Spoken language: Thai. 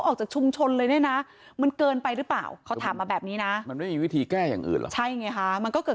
เขาถามมาแบบนี้นะมันไม่มีวิธีแก้อย่างอื่นใช่ไงฮะมันก็เกิด